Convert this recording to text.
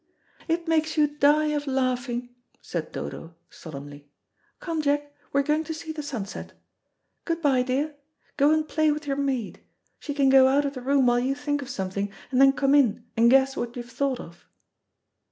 "It makes you die of laughing," said Dodo, solemnly. "Come, Jack, we're going to see the sunset. Good bye, dear. Go and play with your maid. She can go out of the room while you think of something, and then come in and guess what you've thought of."